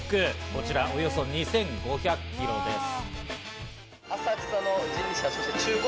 こちらはおよそ２５００キロです。